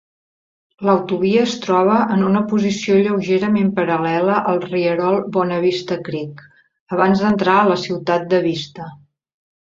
L'autovia es troba en una posició lleugerament paral·lela al rierol Bona Vista Creek abans d'entrar a la ciutat de Vista.